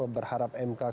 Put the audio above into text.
berharap mk kemudian ke dpr